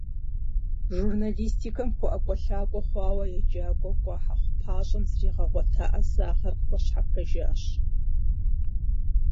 Журналистикэм хуэӏэкӏуэлъакӏуэ хъуауэ еджакӏуэ кӏуа Хьэхъупащӏэм зригъэгъуэта ӏэзагъэр къыхуэщхьэпэжащ.